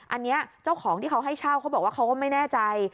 อันนี้เจ้าของที่เขาให้เช่าเขาบอกว่าเขาก็ไม่แน่ใจ